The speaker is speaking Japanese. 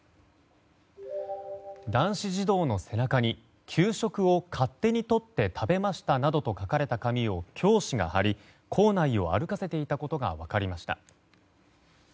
男子児童の背中に給食を勝手に取って食べましたなどと書かれた紙を教師が貼り校内を歩かせていたことが分かりました。